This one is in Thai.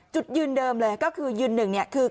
จุดยืนเดิมเลยก็คือยืนหนึ่งเนี่ยคือ